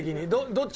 どっち？